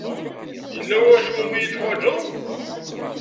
Yella wacu umi iyi-teḥwajed?